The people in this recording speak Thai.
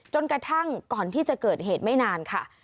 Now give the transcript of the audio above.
จนกระทั่งก่อนที่จะเกิดเหตุไม่นานค่ะ